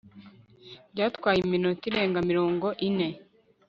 byatwaye iminota irenga mirongo ine